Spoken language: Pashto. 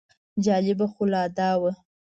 جالبه خو لا دا وه.